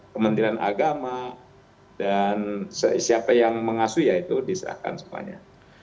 kementerian agama dan siapa yang mengasuh ya itu diserahkan semuanya